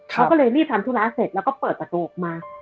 เขาก็เลยรีบทำธุระเสร็จแล้วก็เปิดประตูออกมา